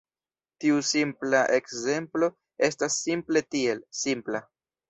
Tiu simpla ekzemplo estas simple tiel: simpla.